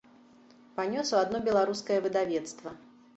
Панёс у адно беларускае выдавецтва.